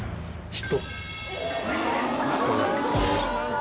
「人」